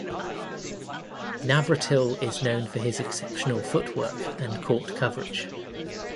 Navratil is known for his exceptional footwork and court coverage.